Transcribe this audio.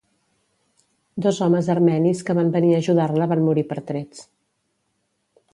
Dos homes armenis que van venir a ajudar-la van morir per trets.